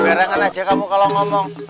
barengan aja kamu kalau ngomong